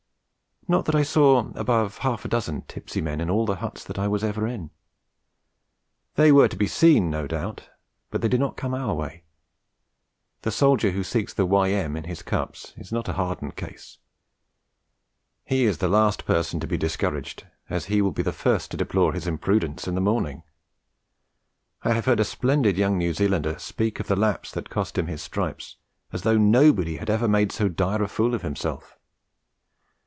Not that I saw above half a dozen tipsy men in all the huts that I was ever in. They were to be seen, no doubt, but they did not come our way. The soldier who seeks the Y.M. in his cups is not a hardened case. He is the last person to be discouraged, as he will be the first to deplore his imprudence in the morning. I have heard a splendid young New Zealander speak of the lapse that had cost him his stripes as though nobody had ever made so dire a fool of himself.